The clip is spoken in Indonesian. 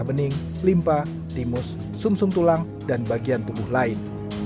kanker yang terakhir adalah sel bening limpa timus sum sum tulang dan bagian tubuh lain